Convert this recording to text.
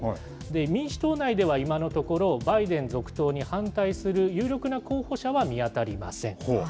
民主党内では今のところ、バイデン続投に反対する有力な候補者は見当たりません。